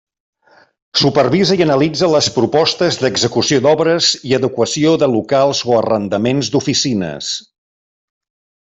Supervisa i analitza les propostes d'execució d'obres i adequació de locals o arrendaments d'oficines.